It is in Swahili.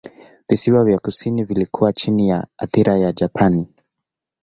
Visiwa vya kusini vilikuwa chini ya athira ya Japani.